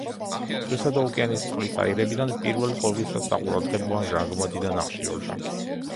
ზღვისა და ოკეანის წყლის აირებიდან პირველ ყოვლისა საყურადღებოა ჟანგბადი და ნახშირორჟანგი.